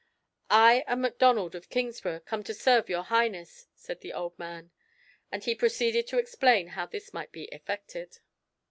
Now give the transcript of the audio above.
"I am Macdonald of Kingsburgh, come to serve Your Highness," said the old man; and he proceeded to explain how this might be effected.